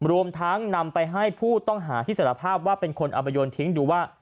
รวมทั้งนำไปให้ผู้ต้องหาที่สารภาพว่าเป็นคนเอาไปโยนทิ้งดูว่า